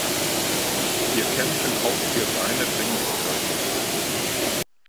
Wir kämpfen auch für seine Dringlichkeit.